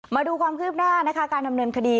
มาดูความคืบหน้านะคะการดำเนินคดี